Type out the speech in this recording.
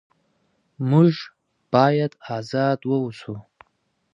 موږ باید ازاد واوسو.